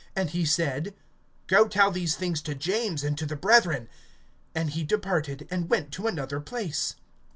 And he said: Go tell these things to James, and to the brethren. And he departed, and went to another place.